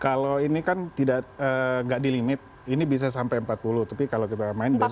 kalau ini kan tidak di limit ini bisa sampai empat puluh tapi kalau kita main biasanya